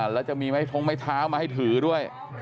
แล้วจะมีไม้ท้องไม้เท้ามาให้ถือด้วย